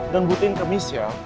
dan butuhin kemis ya